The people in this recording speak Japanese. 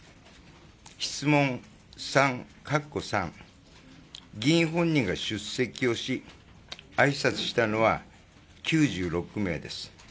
質問３、議員本人が出席をし、挨拶をしたのは９６名です。